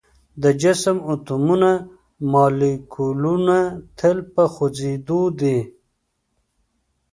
د جسم اتومونه او مالیکولونه تل په خوځیدو دي.